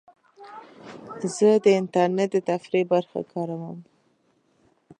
زه د انټرنیټ د تفریح برخه کاروم.